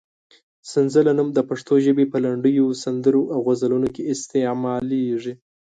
سنځله نوم د پښتو ژبې په لنډیو، سندرو او غزلونو کې استعمالېږي.